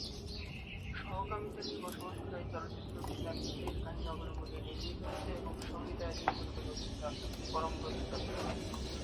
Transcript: সমকামিতা নিয়ে বসবাস করা এই চলচ্চিত্রটি তার নিজের কাহিনী অবলম্বনে নির্মিত হয়েছে এবং সংগীতায়োজন করবেন অভিনেতা পরমব্রত চট্টোপাধ্যায়।